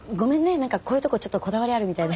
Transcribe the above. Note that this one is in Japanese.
何かこういうとこちょっとこだわりあるみたいで。